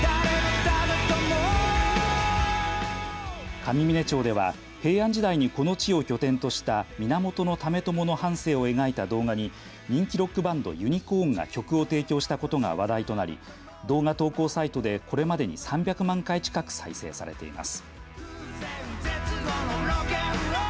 上峰町では、平安時代にこの地を拠点とした源為朝の半生を描いた動画に人気ロックバンド、ユニコーンが曲を提供したことが話題となり、動画投稿サイトでこれまでに３００万回近く再生されています。